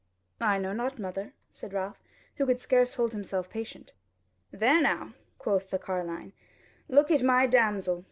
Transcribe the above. "I know not, mother," said Ralph, who could scarce hold himself patient. "There now!" quoth the carline, "look at my damsel!